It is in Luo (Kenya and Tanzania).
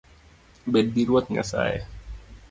Bedgi Ruoth Nyasaye